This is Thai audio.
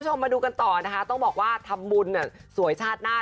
คุณผู้ชมมาดูกันต่อต้องบอกว่าธรรมบุญสวยชาติหน้า